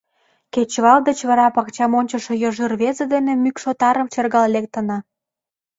Кечывал деч вара пакчам ончышо Йожи рвезе дене мӱкшотарым шергал лектына.